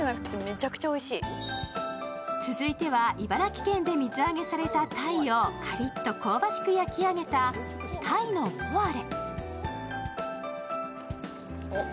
続いては茨城県で水揚げされた鯛をかりっと香ばしく焼き上げた鯛のポワレ。